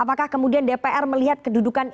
apakah kemudian dpr melihat kedudukan